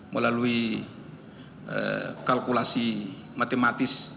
melalui kalkulasi matematis